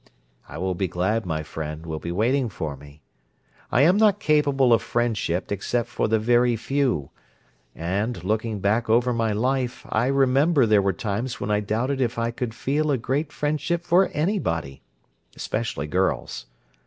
I will be glad my friend will be waiting for me. I am not capable of friendship except for the very few, and, looking back over my life, I remember there were times when I doubted if I could feel a great friendship for anybody—especially girls.